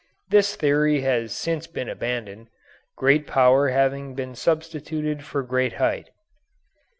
This theory has since been abandoned, great power having been substituted for great height.